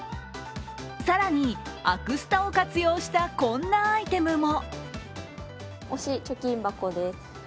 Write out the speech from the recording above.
更に、アクスタを活用したこんなアイテムも。